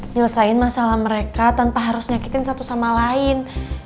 nyelesain masalah mereka tanpa harus nyakitin satu sama lain